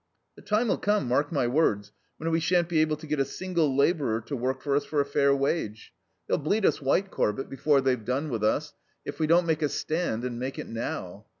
The time'll come, mark my words, when we shan't be able to get a single labourer to work for us for a fair wage. They'll bleed us white, Corbett, before they've done with us, if we don't make a stand, and make it now.